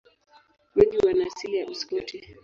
Wengi wana asili ya Uskoti.